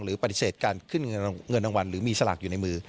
ปฏิเสธการขึ้นเงินรางวัลหรือมีสลากอยู่ในมือ